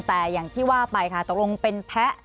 แต่อย่างที่ว่าไปค่ะตกลงเป็นแพ้